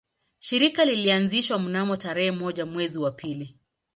Shirika lilianzishwa mnamo tarehe moja mwezi wa pili